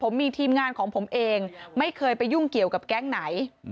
ผมมีทีมงานของผมเองไม่เคยไปยุ่งเกี่ยวกับแก๊งไหน